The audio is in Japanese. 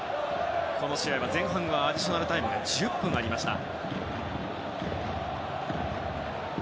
この試合は前半アディショナルタイムが１０分ありました。